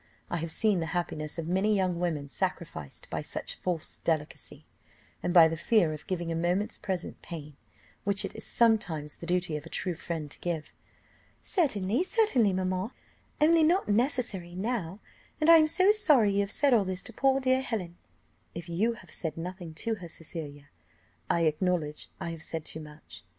I have seen the happiness of many young women sacrificed by such false delicacy, and by the fear of giving a moment's present pain, which it is sometimes the duty of a true friend to give." "Certainly, certainly, mamma, only not necessary now; and I am so sorry you have said all this to poor dear Helen." "If you have said nothing to her, Cecilia, I acknowledge I have said too much."